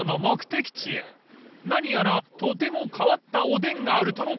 ［何やらとても変わったおでんがあるとのこと］